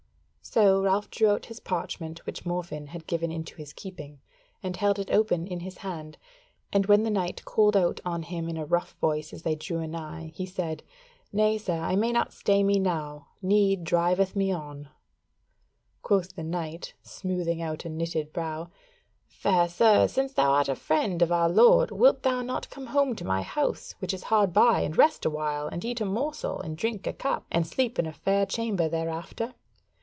So Ralph drew out his parchment which Morfinn had given into his keeping, and held it open in his hand, and when the knight called out on him in a rough voice as they drew anigh, he said: "Nay, sir, I may not stay me now, need driveth me on." Quoth the knight, smoothing out a knitted brow: "Fair sir, since thou art a friend of our lord, wilt thou not come home to my house, which is hard by, and rest awhile, and eat a morsel, and drink a cup, and sleep in a fair chamber thereafter?"